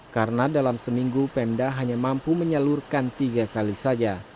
karena dalam seminggu pemda hanya mampu menyalurkan tiga kali saja